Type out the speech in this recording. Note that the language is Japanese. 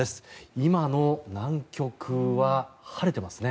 今の南極は晴れてますね。